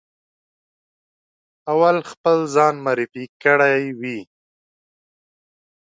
اول خپل ځان معرفي کړی وي.